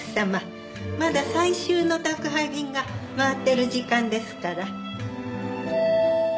まだ最終の宅配便が回ってる時間ですから。